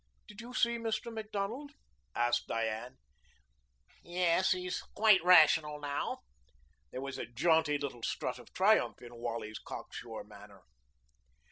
"Did you see Mr. Macdonald?" asked Diane. "Yes. He's quite rational now." There was a jaunty little strut of triumph in Wally's cock sure manner.